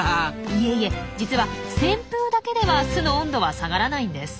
いえいえ実は扇風だけでは巣の温度は下がらないんです。